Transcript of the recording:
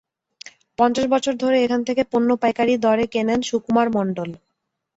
পঞ্চাশ বছর ধরে এখান থেকে পণ্য পাইকারি দরে কেনেন সুকুমার মণ্ডল।